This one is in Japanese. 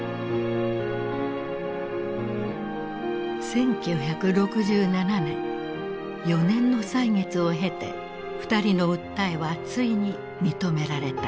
１９６７年４年の歳月を経て二人の訴えはついに認められた。